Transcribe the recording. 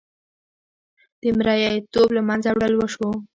د مریې توب له منځه وړل وشو.